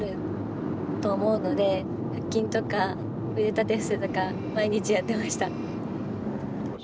腹筋とか腕立て伏せとか毎日やってました。